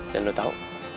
dan lo tau